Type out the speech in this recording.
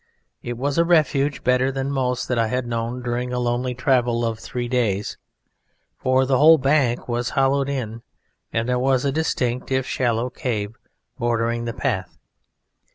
It was a refuge better than most that I had known during a lonely travel of three days, for the whole bank was hollowed in, and there was a distinct, if shallow, cave bordering the path.